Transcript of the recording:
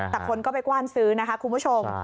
แต่คนก็ไปกว้านซื้อนะคะคุณผู้ชม